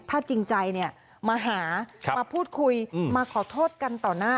ถ้าจริงใจเนี่ยมาหามาพูดคุยมาขอโทษกันต่อหน้า